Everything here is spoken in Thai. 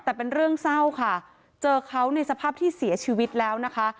แต่เป็นเรื่องเศร้าค่ะเจอเขาในสภาพที่เสียชีวิตแล้วนะคะ